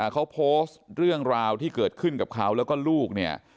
เขาโพสต์เรื่องราวที่เกิดขึ้นกับเขาแล้วก็ลูกเนี่ย